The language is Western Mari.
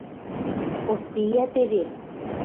– Поспея теве!